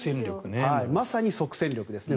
まさに即戦力ですね